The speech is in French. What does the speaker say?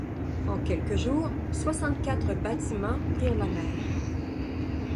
En quelques jours, soixante-quatre bâtiments prirent la mer.